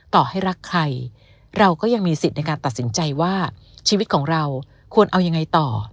ต่อให้รักใครเราก็ยังมีสิทธิ์ในการตัดสินใจว่าชีวิตของเราควรเอายังไงต่อ